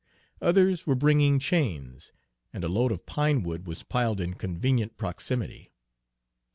Others were bringing chains, and a load of pine wood was piled in convenient proximity.